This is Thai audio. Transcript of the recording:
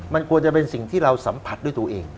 มันควรจะเป็นสิ่งที่เราสัมผัสด้วยตัวเอง